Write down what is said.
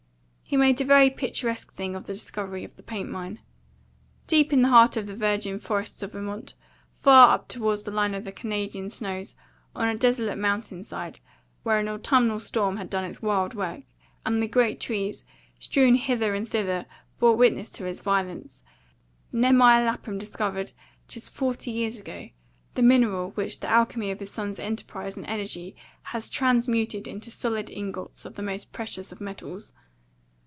He made a very picturesque thing of the discovery of the paint mine. "Deep in the heart of the virgin forests of Vermont, far up toward the line of the Canadian snows, on a desolate mountain side, where an autumnal storm had done its wild work, and the great trees, strewn hither and thither, bore witness to its violence, Nehemiah Lapham discovered, just forty years ago, the mineral which the alchemy of his son's enterprise and energy has transmuted into solid ingots of the most precious of metals.